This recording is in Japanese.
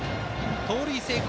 盗塁成功。